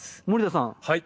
森田さん